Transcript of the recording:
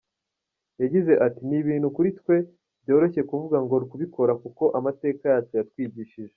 Yagize ati “Ni ibintu kuri twe byoroshye kuvuga no kubikora kuko amateka yacu yatwigishije.